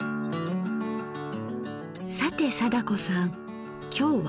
さて貞子さん今日は？